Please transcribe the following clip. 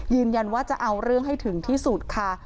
ยืนยันว่าจะเอาเรื่องให้ถึงที่สุดค่ะ